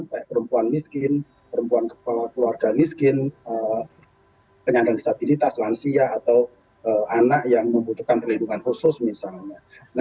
kayak perempuan miskin perempuan kepala keluarga miskin penyandang disabilitas lansia atau anak yang membutuhkan perlindungan khusus misalnya